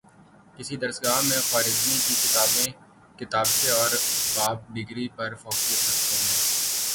کسی درسگاہ میں خوارزمی کی کتابیں کتابچے اور باب ڈگری پر فوقیت رکھتے ہیں